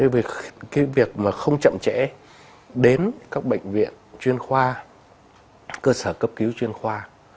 vì cái việc mà không chậm trễ đến các bệnh viện chuyên khoa cơ sở cấp cứu chuyên khoa